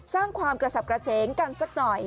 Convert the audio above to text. สร้างความกระสับกระเสงกันสักหน่อย